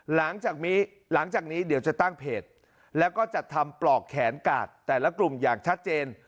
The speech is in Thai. หลังจากนี้หลังจากนี้เดี๋ยวจะตั้งเพจแล้วก็จัดทำปลอกแขนกาดแต่ละกลุ่มอย่างชัดเจน